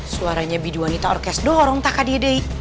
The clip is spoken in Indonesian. suaranya bidu wanita orkestrorong takadidei